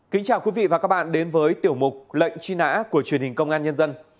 kính chào quý vị và các bạn đến với tiểu mục lệnh truy nã của truyền hình công an nhân dân